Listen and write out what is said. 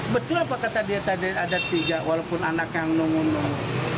betul apa kata dia tadi ada tiga walaupun anaknya yang nungu nungu